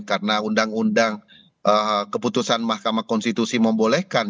karena undang undang keputusan mahkamah konstitusi membolehkan